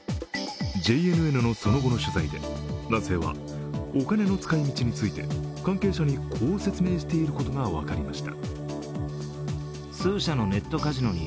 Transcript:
ＪＮＮのその後の取材で、男性はお金の使い道について関係者にこう説明していることが分かりました。